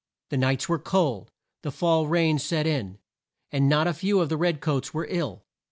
The nights were cold, the Fall rains set in, and not a few of the red coats were ill.